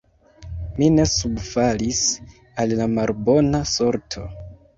Mi ne subfalis al la malbona sorto!